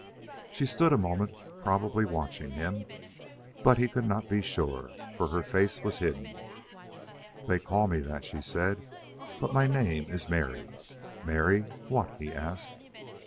She stood a moment, probably watching him, but he could not be sure, for her face was hidden. "They call me that," she said. "But my name is Mary." "Mary what?" he asked.